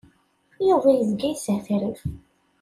Yuba yezga yeshetrif.